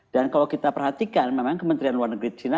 dan kalau kita perhatikan memang kementerian luar negeri china